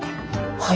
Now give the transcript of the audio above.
はい。